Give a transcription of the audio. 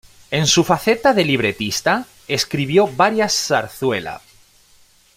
En su faceta de libretista, escribió varias zarzuela.